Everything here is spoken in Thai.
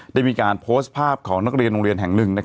ได้มีการโพสต์ภาพของนักเรียนโรงเรียนแห่งหนึ่ง